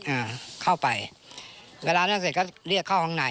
อ่าเข้าไปเวลานั่งเสร็จก็เรียกเข้าข้างใน